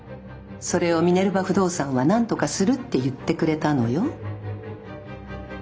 それをミネルヴァ不動産はなんとかするって言ってくれたのよ。